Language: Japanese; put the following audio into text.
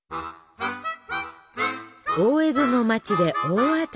大江戸の町で大当たり。